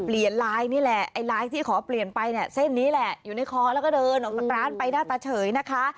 ไลน์นี่แหละไอ้ไลน์ที่ขอเปลี่ยนไปเนี่ยเส้นนี้แหละอยู่ในคอแล้วก็เดินออกจากร้านไปหน้าตาเฉยนะคะ